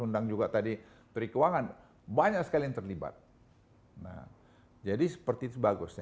undang juga tadi perikuangan banyak sekali yang terlibat nah jadi seperti itu bagusnya